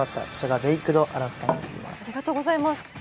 ありがとうございます。